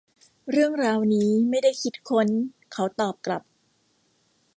เรื่องราวนี้ไม่ได้คิดค้น เขาตอบกลับ